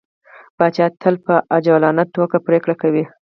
پاچا تل په عجولانه ټوګه پرېکړه کوي.